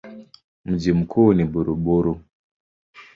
Mji mkuu ni Bururi.